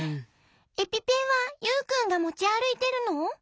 エピペンはユウくんがもちあるいてるの？